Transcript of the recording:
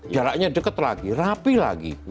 jaraknya dekat lagi rapi lagi